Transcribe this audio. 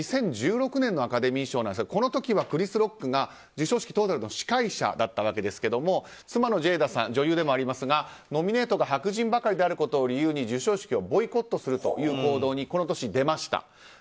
２０１６年のアカデミー賞ですがこの時はクリス・ロックが授賞式トータルの司会者だったわけですが妻のジェイダさん女優でもありますがノミネートが白人ばかりであることを理由に授賞式をボイコットするという行動にこの年、出ました。